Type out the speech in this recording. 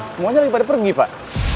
semuanya lagi pada pergi pak